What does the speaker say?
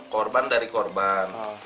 korban dari korban